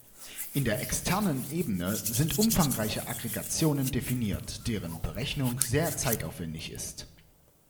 In der externen Ebene sind umfangreiche Aggregationen definiert, deren Berechnung sehr zeitaufwändig ist.